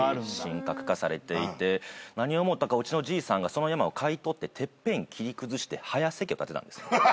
神格化されていて何を思ったかうちのじいさんがその山を買い取っててっぺん切り崩してはやせ家を建てたんです。